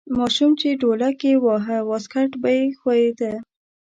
ماشوم چې ډولک یې واهه واسکټ به یې ښویده.